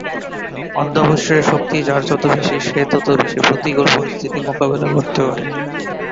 অধ্যবসায়ের শক্তি যার যত বেশি সে তত বেশি প্রতিকুল পরিস্থিতি মোকাবেলা করতে পারে।